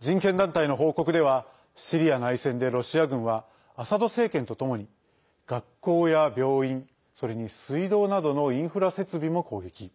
人権団体の報告ではシリア内戦でロシア軍はアサド政権とともに学校や病院それに水道などのインフラ設備も攻撃。